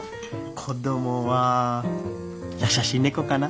子供は「やさしい猫」かな。